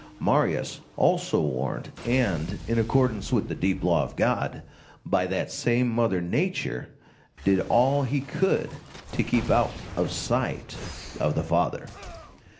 Marius, also warned, and, in accordance with the deep law of God, by that same Mother Nature, did all he could to keep out of sight of "the father."